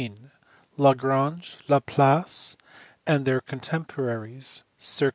LAGRANGE, LAPLACE, AND THEIR CONTEMPORARIES. CIRC.